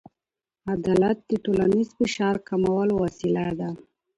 عدالت د ټولنیز فشار کمولو وسیله ده.